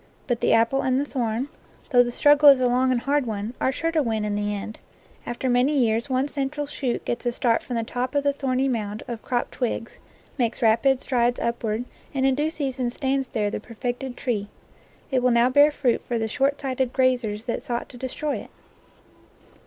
But the apple and the thorn, though the 13 NATURE LORE struggle is a long and hard one, are sure to win in the end; after many years one central shoot gets a start from the top of the thorny mound of cropped twigs, makes rapid strides upward, and in due sea son stands there the perfected tree. It will now bear fruit for the short sighted grazers that sought to destroy it.